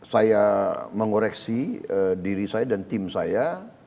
saya mengoreksi diri saya dan tim saya